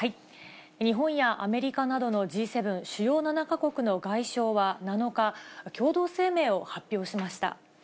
日本やアメリカなどのＧ７・主要７か国の外相は７日、共同声明を発表しました。